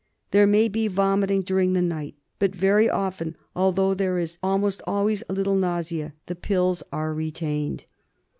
There may be vomiting during the night, but very often, although there is almost always a little nausea, the pills are retained.